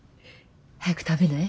早く食べない？